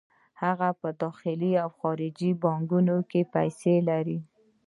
هغه په داخلي او خارجي بانکونو کې پیسې لري